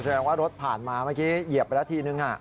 แสดงว่ารถผ่านมาเมื่อกี้เหยียบไปแล้วทีนึง